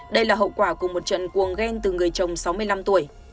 đây là hậu quả của một trận cuồng ghen từ người chồng sáu mươi năm tuổi